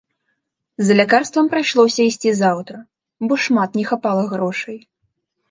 За лякарствам прыйшлося ісці заўтра, бо шмат не хапала грошай.